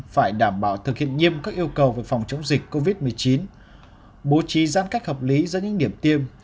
phải đảm bảo thực hiện nghiêm các yêu cầu về phòng chống dịch covid một mươi chín bố trí giãn cách hợp lý ra những điểm tiêm